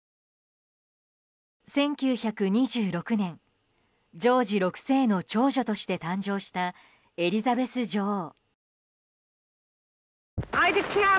１９２６年、ジョージ６世の長女として誕生したエリザベス女王。